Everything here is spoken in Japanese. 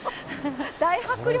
大迫力。